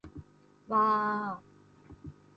わあああああああ